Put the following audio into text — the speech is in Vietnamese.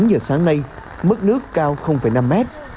chín giờ sáng nay mức nước cao năm mét